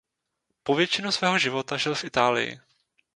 Po většinu svého života žil v Itálii.